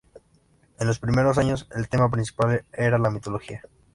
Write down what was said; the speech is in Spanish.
En los primeros años el tema principal era la mitología.